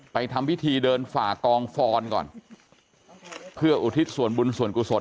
ทำพิธีเดินฝ่ากองฟอนก่อนเพื่ออุทิศส่วนบุญส่วนกุศล